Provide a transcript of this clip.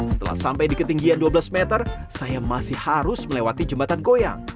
setelah sampai di ketinggian dua belas meter saya masih harus melewati jembatan goyang